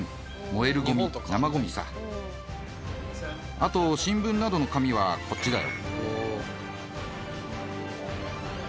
あと新聞などの紙はこっちだよ。